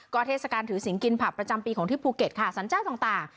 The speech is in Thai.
เทศกาลถือสินกินผักประจำปีของที่ภูเก็ตค่ะสรรเจ้าต่าง